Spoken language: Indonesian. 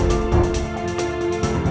saya sudah selesai mencari